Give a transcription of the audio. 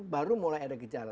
baru mulai ada gejala